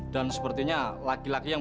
dan sepertinya laki laki yang